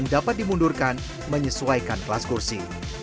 dapat dimundurkan menyesuaikan kelas kursi